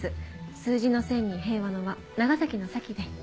数字の「千」に平和の「和」長崎の「崎」で。